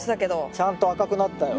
ちゃんと赤くなったよ。